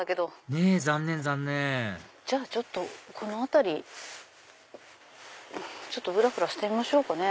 ねぇ残念残念じゃあちょっとこの辺りぶらぶらしてみましょうかね。